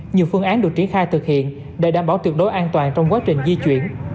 nhiều phương án được triển khai thực hiện để đảm bảo tuyệt đối an toàn trong quá trình di chuyển